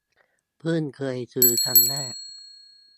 เพิ่งเคยซื้อครั้งแรก